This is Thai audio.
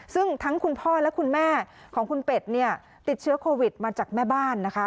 ซึ่งทั้งคุณพ่อและคุณแม่ของคุณเป็ดเนี่ยติดเชื้อโควิดมาจากแม่บ้านนะคะ